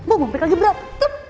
buang buang mereka lagi berantem